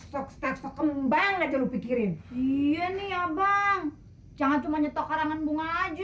stok stok stok stok kembang aja lu pikirin iya nih abang jangan cuma nyetok arangan bunga aja